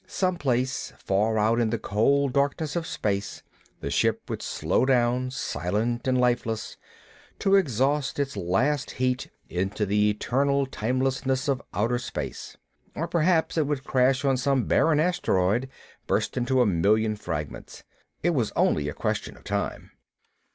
Someplace, far out in the cold darkness of space, the ship would slow down, silent and lifeless, to exhaust its last heat into the eternal timelessness of outer space. Or perhaps it would crash on some barren asteroid, burst into a million fragments. It was only a question of time.